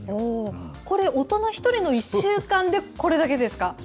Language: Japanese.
これ、大人１人の１週間でこれだけですか？